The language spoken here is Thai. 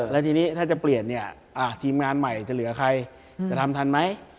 แล้วทีนี้ถ้าจะเปลี่ยนเนี่ยทีมงานใหม่จะเหลือใครจะทำทันไหม